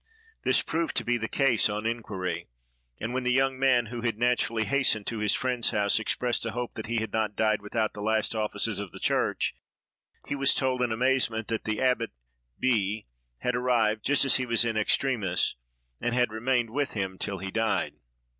This proved to be the case, on inquiry; and when the young man, who had naturally hastened to his friend's house, expressed a hope that he had not died without the last offices of the church, he was told in amazement, that the Abbate B—— had arrived just as he was in extremis, and had remained with him till he died.